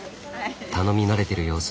頼み慣れてる様子。